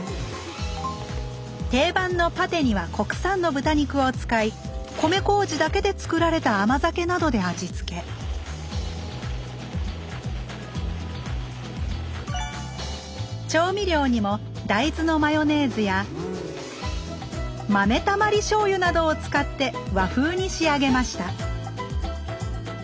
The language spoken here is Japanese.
定番のパテには国産の豚肉を使い米こうじだけでつくられた甘酒などで味付け調味料にも豆たまりしょうゆなどを使って和風に仕上げました